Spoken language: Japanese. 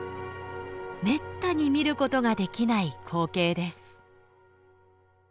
めったに見ることができない光景です。